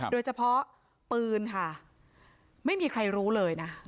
โดยเฉพาะปืนค่ะไม่มีใครรู้เลยนะ